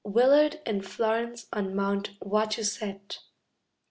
WILLARD AND FLORENCE ON MOUNT WACHUSETT.